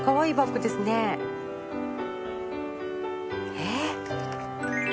えっ？